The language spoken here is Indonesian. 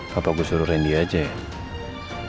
bapak gue suruh randy aja ya